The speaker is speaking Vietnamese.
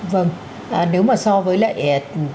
vâng nếu mà so với lại